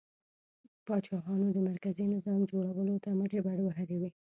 پاچاهانو د مرکزي نظام جوړولو ته مټې بډ وهلې وې.